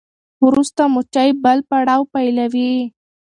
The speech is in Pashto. وروسته مچۍ بل پړاو پیلوي.